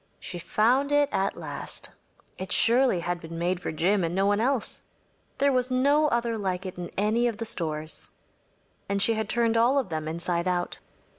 She found it at last. It surely had been made for Jim and no one else. There was no other like it in any of the stores, and she had turned all of them inside out.